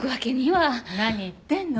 何言ってんの。